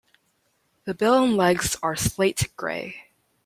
The bill and legs are slate-grey.